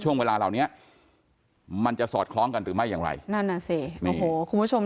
ช่วงเวลาเราเนี่ยมันจะสอดคล้องกันหรือไม่อย่างไรคุณผู้ชม